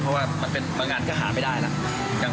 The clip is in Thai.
เพราะว่ามันเป็นบางอย่างก็หาไม่ได้ละ